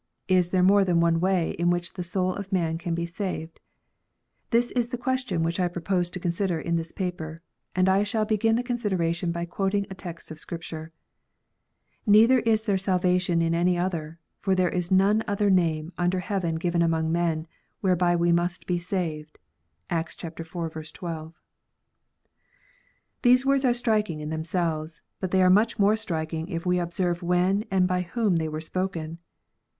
Is there more than one way in which the soul of man can be saved 1 This is the question which I propose to consider in this paper, and I shall begin the consideration by quoting a text of Scripture :" Neither is there salvation in any other : for there is none other name under heaven given among men, whereby we must be saved." (Acts iv. 12.) These words are striking in themselves; but they are much more striking if we observe when and by whom they were spoken.